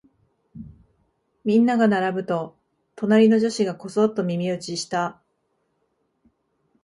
みんなが並ぶと、隣の女子がこそっと耳打ちした。